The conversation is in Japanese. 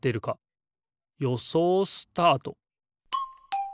よそうスタート！